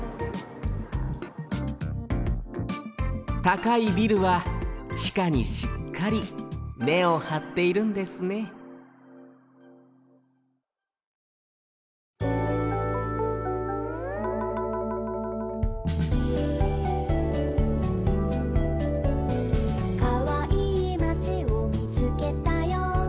たかいビルはちかにしっかり根をはっているんですね「かわいいまちをみつけたよ」